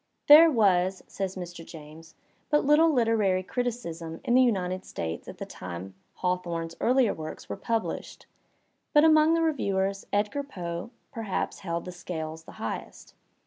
"There was," says Mr. James, "but little literary criticism in the United States at the time Hawthorne's earlier works were published; but among the reviewers Edgar Poe perhaps / held the scales the highest.